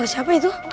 suara siapa itu